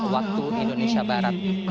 waktu indonesia barat